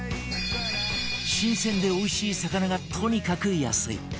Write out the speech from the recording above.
新鮮でおいしい魚がとにかく安い！